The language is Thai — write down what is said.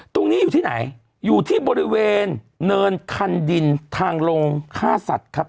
ตรงนี้อยู่ที่ไหนอยู่ที่บริเวณเนินคันดินทางลงฆ่าสัตว์ครับ